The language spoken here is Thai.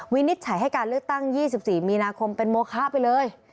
วินิจฉัยให้การเลือกตั้ง๒๔มีนาคมเป็นโมคะไปเลย